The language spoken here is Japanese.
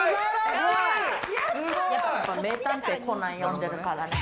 『名探偵コナン』読んでるからね。